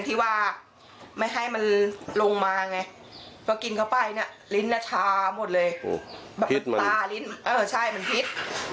ใช่ใช่อาจจะตาลิ้นเหมือนพิษ